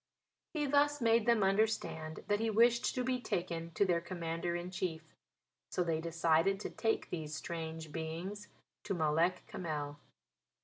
He thus made them understand that he wished to be taken to their Commander in Chief. So they decided to take these strange beings to Malek Kamel.